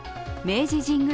明治神宮